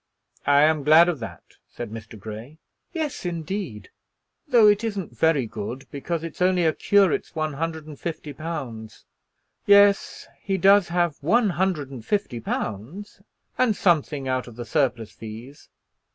"I am glad of that," said Mr. Grey. "Yes, indeed; though it isn't very good, because it's only a curate's one hundred and fifty pounds. Yes; he does have one hundred and fifty pounds, and something out of the surplice fees."